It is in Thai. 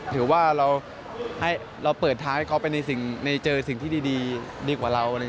ถือว่าเราเปิดทางให้เขาไปเจอสิ่งที่ดีกว่าเรา